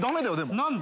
何で？